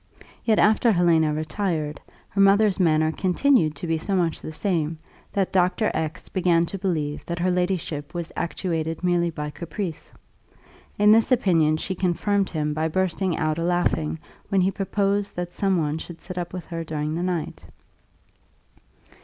Yet, after Helena retired, her mother's manner continued to be so much the same, that Dr. X began to believe that her ladyship was actuated merely by caprice. In this opinion she confirmed him by bursting out a laughing when he proposed that some one should sit up with her during the night.